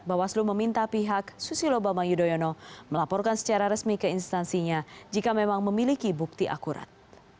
bawaslu meminta pihak susilo bambang yudhoyono melaporkan secara resmi ke instansinya jika memang memiliki bukti akurat